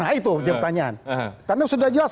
nah itu dia pertanyaan karena sudah jelas